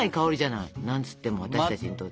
何つっても私たちにとって。